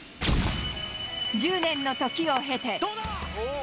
１０年のときを経て。